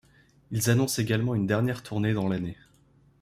Ils annoncent également une dernière tournée dans l'année.